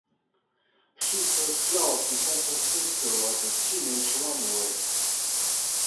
She sold flowers in San Francisco as a teenage runaway.